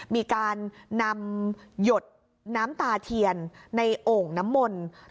มีการนำหยดน้ำตาเทียนในโอ่งน้ำมนต์